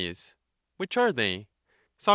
Which are they? Soc.